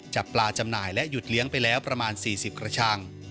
จับปลาจำหน่ายและหยุดเลี้ยงไปแล้วประมาณ๔๐กระชัง